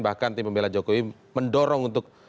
bahkan tim pembela jokowi mendorong untuk